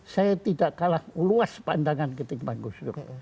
saya tidak kalah luas pandangan gusdur